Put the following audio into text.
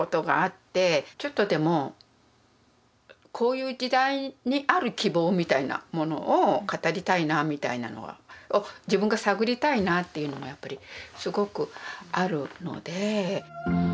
ちょっとでもこういう時代にある希望みたいなものを語りたいなみたいなのは。を自分が探りたいなっていうのもやっぱりすごくあるので。